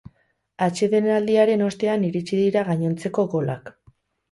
Atsedenaldiaren ostean iritsi dira gainontzeko golak.